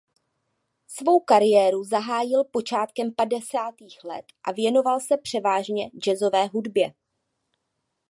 Svou kariéru zahájil počátkem padesátých let a věnoval se převážně jazzové hudbě.